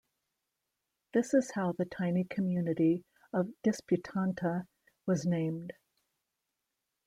This is how the tiny community of Disputanta was named.